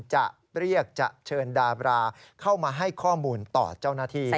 จะเรียกจะเชิญดาบราเข้ามาให้ข้อมูลต่อเจ้าหน้าที่